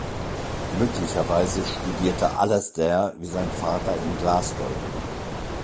Möglicherweise studierte Alasdair wie sein Vater in Glasgow.